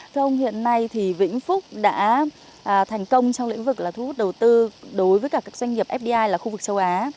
thưa ông hiện nay vĩnh phúc đã thành công trong lĩnh vực thu hút đầu tư đối với các doanh nghiệp fdi là khu vực châu á